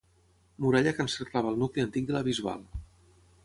Muralla que encerclava el nucli antic de la Bisbal.